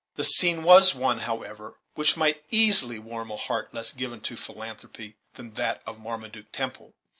The scene was one, however, which might easily warm a heart less given to philanthropy than that of Marmaduke Temple.